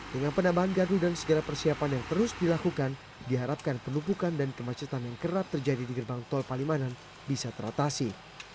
dengan penambahan gardu dan segala persiapan yang terus dilakukan diharapkan penumpukan dan kemacetan yang kerap terjadi di gerbang tol palimanan bisa teratasi